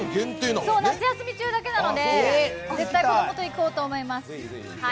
夏休み中だけなので、絶対子供と行こうと思います。